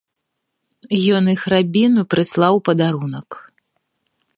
Ён іх рабіну прыслаў у падарунак.